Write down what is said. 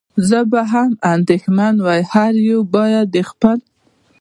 زه به هم اندېښمن وای، هر یو باید د خپل.